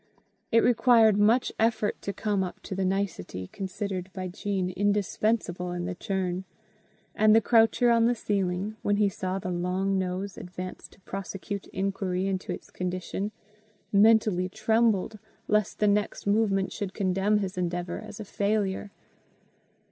It required much effort to come up to the nicety considered by Jean indispensable in the churn; and the croucher on the ceiling, when he saw the long nose advance to prosecute inquiry into its condition, mentally trembled lest the next movement should condemn his endeavour as a failure.